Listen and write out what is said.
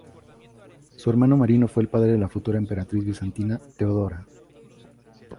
Su hermano Marino fue el padre de la futura emperatriz bizantina Teodora.